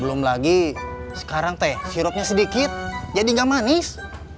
belum lagi sekarang teh sirupnya sedikit jadi nggak manis